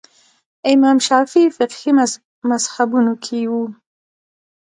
امام شافعي فقهي مذهبونو کې وو